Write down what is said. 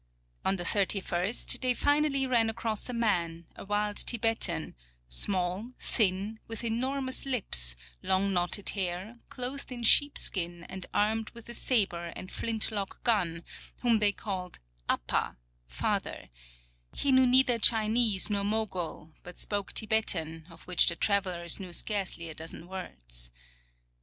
On the 31st they finall}' ran across a man, a wild Tibetan, small, thin, with enor mous lips, long knotted hair, clothed in sheepskin and armed with a saber and flint lock gun, whom they called " appa " (father) ; he knew neither Chinese nor Mogul, but spoke Tibetan of which the travelers knew scarcely a dozen words.